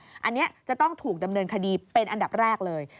อันนี้จะต้องถูกดำเนินคดีเป็นอันดับแรกเลย